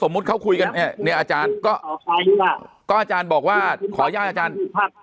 เขาคุยกันเนี่ยเนี่ยอาจารย์ก็อาจารย์บอกว่าขออนุญาตอาจารย์ครับ